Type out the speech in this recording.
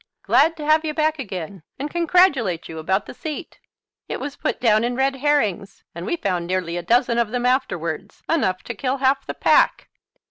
"Glad to have you back again, and congratulate you about the seat. It was put down in red herrings, and we found nearly a dozen of them afterwards, enough to kill half the pack."